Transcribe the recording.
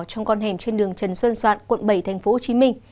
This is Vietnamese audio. trong con hẻm trên đường trần xuân soạn quận bảy tp hcm